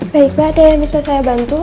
baik mbak ada yang bisa saya bantu